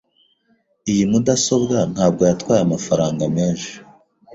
Iyi mudasobwa ntabwo yatwaye amafaranga menshi .